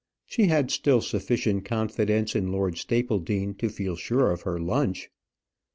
She had still sufficient confidence in Lord Stapledean to feel sure of her lunch.